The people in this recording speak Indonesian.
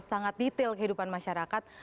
sangat detail kehidupan masyarakat